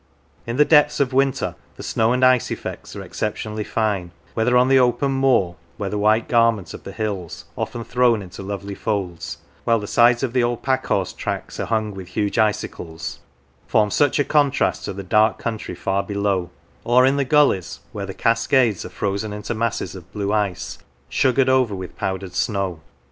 In the depths of winter the snow and ice effects are exceptionally fine, whether on the open moor, where the white garment of the hills, often thrown into lovely folds (while the sides of the old pack horse tracks are hung with huge icicles), form such a contrast to the dark country far below; or in the gullies, where the cascades are frozen into masses of blue ice, sugared over with powdered snow.